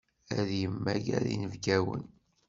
Ad yemmager inebgawen.